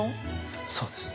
そうです。